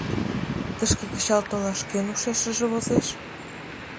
Тышке кычал толаш кӧн ушешыже возеш?